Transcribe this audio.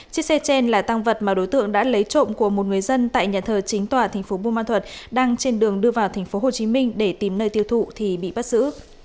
chiếc xe trên là tăng vật mà đối tượng đã lấy trộm của một người dân tại nhà thờ chính tòa thành phố buôn ma thuật đang trên đường đưa vào tp hcm để tìm nơi tiêu thụ thì bị bắt giữ